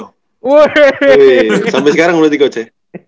wih sampai sekarang menurut coach ya